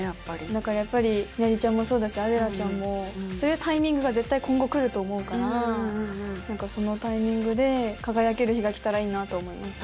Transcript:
だからやっぱりヒナリちゃんもそうだしアデラちゃんもそういうタイミングが絶対今後くると思うからなんかそのタイミングで輝ける日がきたらいいなと思いますね。